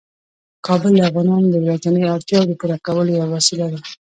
کابل د افغانانو د ورځنیو اړتیاوو د پوره کولو یوه وسیله ده.